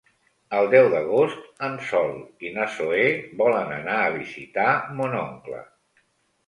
El deu d'agost en Sol i na Zoè volen anar a visitar mon oncle.